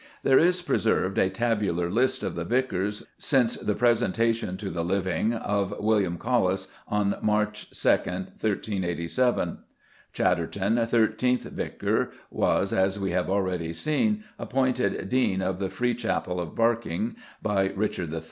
There is preserved a tabular list of the vicars since the presentation to the living of Wm. Colles on March 2, 1387. Chaderton, thirteenth vicar, was, as we have already seen, appointed dean of the "free chaple of Berkynge" by Richard III.